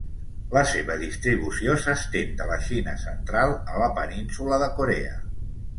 La seva distribució s'estén de la Xina Central a la península de Corea.